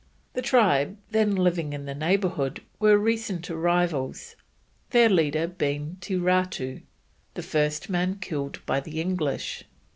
The tribe then living in the neighbourhood were recent arrivals, their leader being Te Ratu the first man killed by the English.